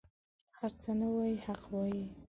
هر څه نه وايي حق وايي.